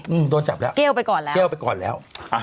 โดนจับแล้วเกลไปก่อนแล้ว